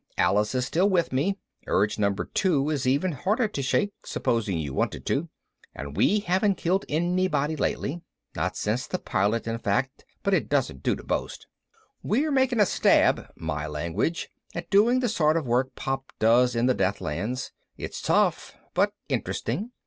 Alice is still with me (Urge Number Two is even harder to shake, supposing you wanted to) and we haven't killed anybody lately. (Not since the Pilot, in fact, but it doesn't do to boast.) We're making a stab (my language!) at doing the sort of work Pop does in the Deathlands. It's tough but interesting.